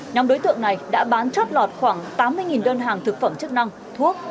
nhóm đối tượng này đã bán chót lọt khoảng tám mươi đơn hàng thực phẩm chức năng thuốc